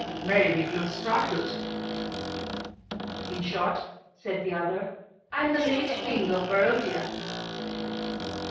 Merriwig looked startled. "In short," said the other, "I am the late King of Barodia."